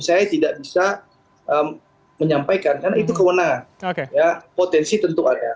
saya tidak bisa menyampaikan karena itu kewenangan potensi tentu ada